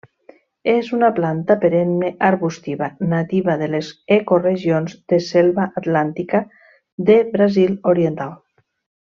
És una planta perenne arbustiva nativa de les ecoregions de Selva atlàntica de Brasil oriental.